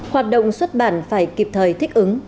hoạt động xuất bản phải kịp thời thích ứng